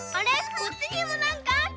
こっちにもなんかあった。